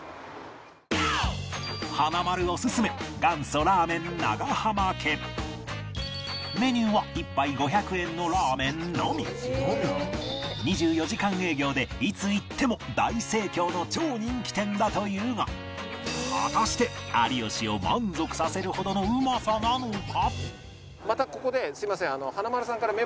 華丸オススメ２４時間営業でいつ行っても大盛況の超人気店だというが果たして有吉を満足させるほどのうまさなのか？